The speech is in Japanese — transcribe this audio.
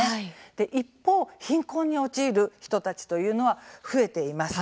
一方、貧困に陥る人たちというのは増えています。